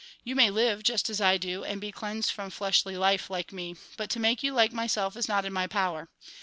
You may live just as I do, and be cleansed from fleshly life like me, but to make you like myself is not in my power.